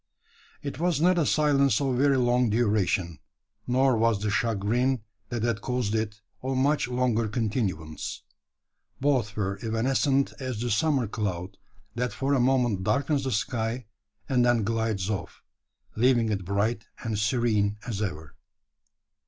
It was not a silence of very long duration, nor was the chagrin that had caused it of much longer continuance. Both were evanescent as the summer cloud that for a moment darkens the sky, and then glides off leaving it bright and serene as ever.